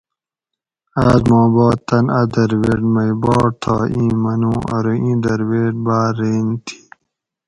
آس ما بعد تۤن اۤ درویٹ مئی باٹ تھا اِیں منو ارو اِیں درویٹ باۤر رین تھی